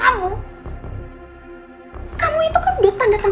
karena kamu udah jadi menyolat kontrak kerja dan